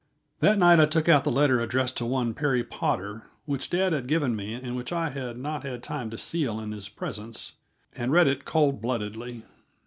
That night I took out the letter addressed to one Perry Potter, which dad had given me and which I had not had time to seal in his presence, and read it cold bloodedly.